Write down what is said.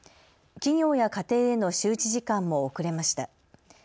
企業や家庭への周知時間も遅れました。